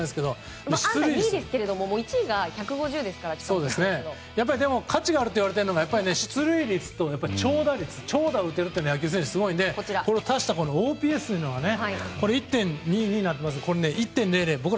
安打、２位ですけど１位が１５０ですから価値があるといわれているのが、出塁率と長打率、長打を打てるというのはすごいので、それを足したＯＰＳというのが１．２２７となっていますけど１０００